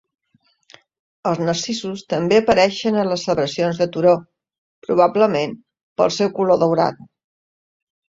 Els narcisos també apareixen a les celebracions de Turo, probablement pel seu color "daurat".